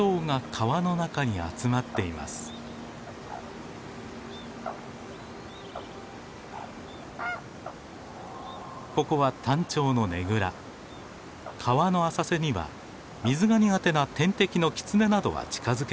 川の浅瀬には水が苦手な天敵のキツネなどは近づけません。